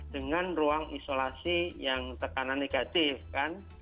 dengan ruang isolasi yang tekanan negatif kan